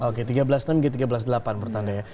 oke tiga belas enam g tiga belas delapan menurut anda ya